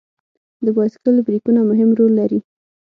د بایسکل بریکونه مهم رول لري.